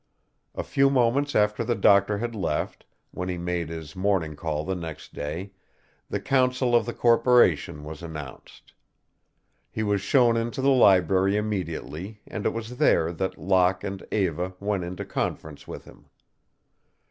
A few moments after the doctor had left, when he made his morning call the next day, the counsel of the corporation was announced. He was shown into the library immediately and it was there that Locke and Eva went into conference with him.